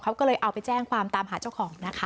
เขาก็เลยเอาไปแจ้งความตามหาเจ้าของนะคะ